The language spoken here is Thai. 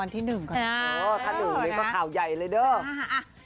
วันที่หนึ่งค่ะอ๋อถ้าหนึ่งเลยมาข่าวใหญ่เลยเนอะอ่าอ่า